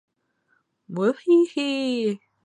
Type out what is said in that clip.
中华民国的官方语言是台湾华语。